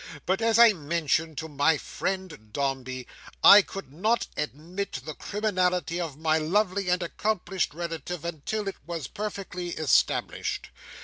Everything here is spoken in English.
But as I mentioned to my friend Dombey, I could not admit the criminality of my lovely and accomplished relative until it was perfectly established.